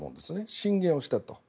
進言をしたと。